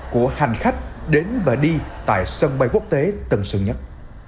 của hành khách đến và đi tại sân bay quốc tế tân sơn nhất